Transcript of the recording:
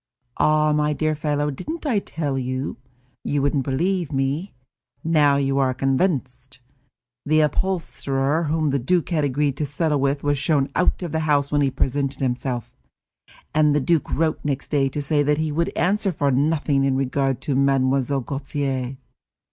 Ah, my dear fellow, didn't I tell you? You wouldn't believe me; now you are convinced. The upholsterer whom the duke had agreed to settle with was shown out of the house when he presented himself, and the duke wrote next day to say that he would answer for nothing in regard to Mlle. Gautier.